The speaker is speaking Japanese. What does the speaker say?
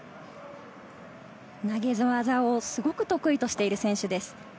投げの技を得意としている選手です。